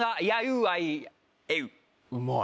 うまい。